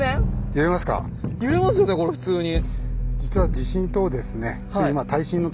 揺れますよねこれ普通に。